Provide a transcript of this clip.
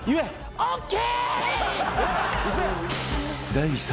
ＯＫ！